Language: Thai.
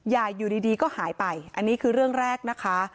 อยู่ดีก็หายไปอันนี้คือเรื่องแรกนะคะ